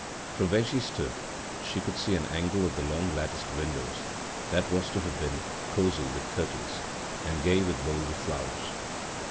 From where she stood she could see an angle of the long latticed window that was to have been cosy with curtains and gay with bowls of flowers.